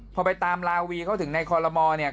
พอไปตามลาวีเขาถึงในคอลโลมอลเนี่ย